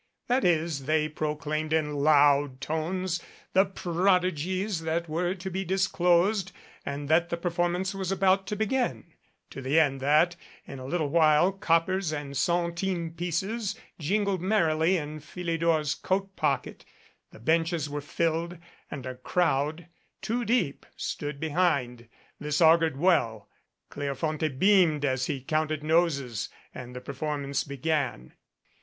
That is, they proclaimed in loud tones the prodigies that were to be disclosed and that the perform ance was about to begin ; to the end that, in a little while, coppers and centime pieces jingled merrily in Philidor's coat pocket, the benches were filled and a crowd two deep stood behind. This augured well. Cleofonte beamed as he counted noses, and the performance began.